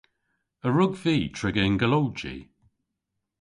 A wrug vy triga yn golowji?